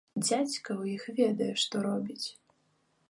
Дзядзька ў іх ведае, што робіць!